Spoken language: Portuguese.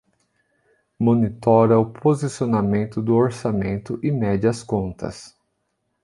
Monitora o posicionamento do orçamento e mede as contas.